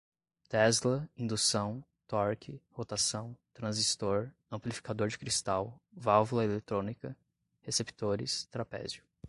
tesla, indução, torque, rotação, transistor, amplificador de cristal, válvula eletrônica, receptores, trapézio